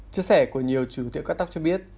chia sẻ của nhiều chủ tiệm cắt tóc cho biết